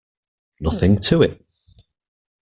Nothing to it.